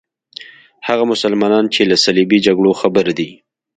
هغه مسلمانان چې له صلیبي جګړو خبر دي.